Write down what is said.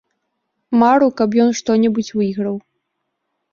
Мару, каб ён што-небудзь выйграў.